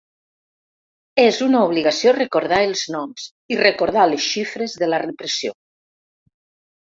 És una obligació recordar els noms i recordar les xifres de la repressió.